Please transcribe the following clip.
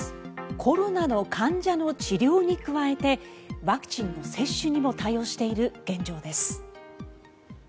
コロナの患者の治療に加えてワクチンの接種にも対応している現状です。